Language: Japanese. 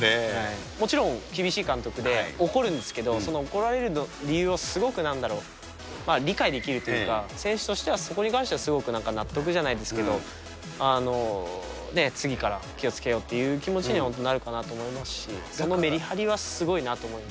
もちろん厳しい監督で、怒るんですけど、その怒られる理由を、すごくなんだろう、理解できるというか、選手としてはそこに関してはすごくなんか納得じゃないですけど、次から気をつけようっていう気持ちには本当なるかなと思いますし、そのメリハリはすごいなと思います。